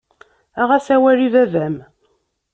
Aɣ-as awal i baba-m.